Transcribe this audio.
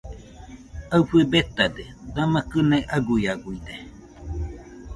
Aɨfɨ betade, dama kɨnaɨ aguiaguide.